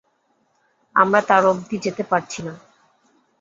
আমরা তার অব্ধি যেতে পারছি না।